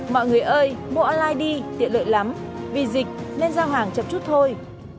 mọi người ơi mua online đi tiện lợi lắm vì dịch nên giao hàng chậm chút thôi